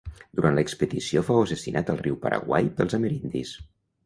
Durant l'expedició fou assassinat al riu Paraguai pels amerindis.